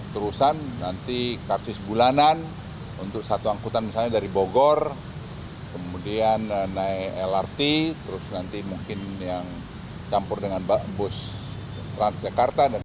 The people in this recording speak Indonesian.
terusan nanti kartus bulanan untuk satu angkutan misalnya dari bogor kemudian naik lrt terus nanti mungkin yang campur dengan bus transjakarta